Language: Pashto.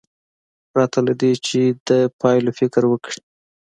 پرته له دې چې د پایلو فکر وکړي.